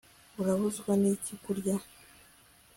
urabuzwa n'iki kurya